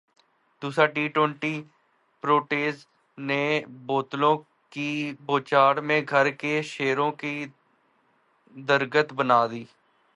دوسرا T twenty Proteas نے بوتلوں کی بوچھاڑمیں گھر کے شیروں کی درگت بنادی